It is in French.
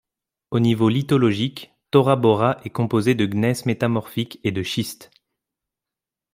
Au niveau lithologique, Tora Bora est composé de gneiss metamorphique et de schiste.